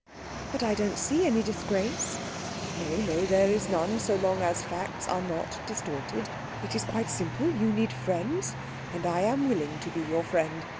"But I don't see any disgrace." "No, no, there is none so long as facts are not distorted. It is quite simple you need friends and I am willing to be your friend.